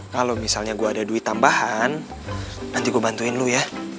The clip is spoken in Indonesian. kalo misalnya gua ada duit tambahan nanti gua bantuin lu ya